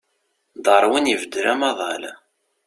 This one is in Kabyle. Darwin ibeddel amaḍal.